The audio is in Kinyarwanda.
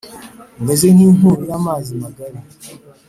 umeze nk’inkubi y’amazi magari!